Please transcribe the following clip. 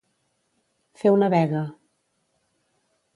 Fer una vega.